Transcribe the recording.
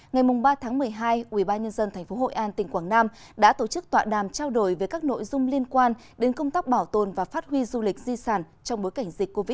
ngày ba tháng một mươi hai ubnd tp hội an tỉnh quảng nam đã tổ chức tọa đàm trao đổi về các nội dung liên quan đến công tác bảo tồn và phát huy du lịch di sản trong bối cảnh dịch covid một mươi chín